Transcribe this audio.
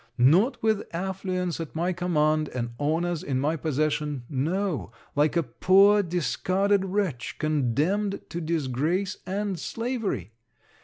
Not with affluence at my command, and honours in my possession, no, like a poor discarded wretch, condemned to disgrace and slavery.